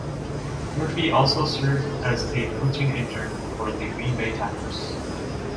Murphy also served as a coaching intern for the Green Bay Packers.